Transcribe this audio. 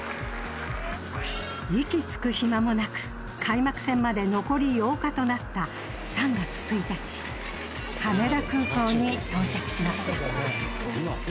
息つく暇もなく開幕戦まで残り８日となった３月１日羽田空港に到着しました。